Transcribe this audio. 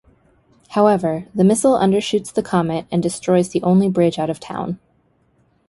However, the missile undershoots the comet and destroys the only bridge out of town.